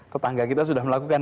tetangga kita sudah melakukan